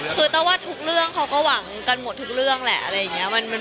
คือแต้วว่าทุกเรื่องเขาก็หวังกันหมดทุกเรื่องแหละอะไรอย่างนี้